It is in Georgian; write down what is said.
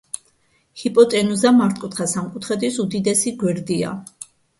ჰიპოტენუზა მართკუთხა სამკუთხედის უდიდესი გვერდია.